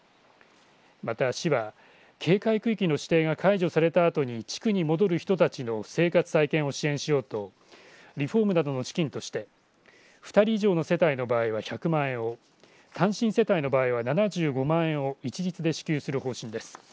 また市は警戒区域の指定が解除されたあとに地区に戻る人たちの生活再建を支援しようとリフォームなどの資金として２人以上の世帯の場合は１００万円を単身世帯の場合は７５万円を一律で支給する方針です。